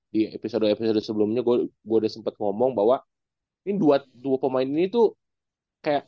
di episode episode sebelumnya gue udah sempat ngomong bahwa ini dua pemain ini tuh kayak